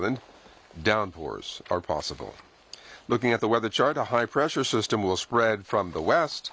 そうですよね。